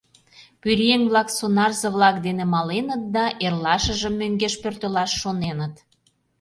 Пӧръеҥ-влак сонарзе-влак дене маленыт да эрлашыжым мӧҥгеш пӧртылаш шоненыт.